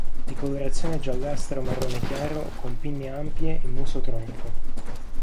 Di colorazione giallastra o marrone chiaro, con pinne ampie e muso tronco.